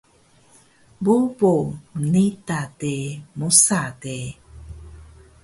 Bobo mnita de mosa de